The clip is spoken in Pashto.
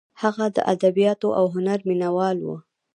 هغه د ادبیاتو او هنر مینه وال و.